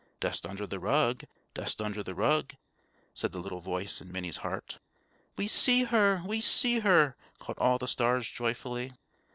"Dust under the rug! dust under the rug!" said the little voice in Minnie's heart. "We see her! we see her!" called all the stars joyfully.